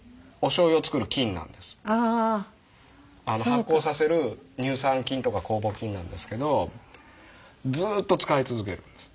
発酵させる乳酸菌とか酵母菌なんですけどずっと使い続けるんです。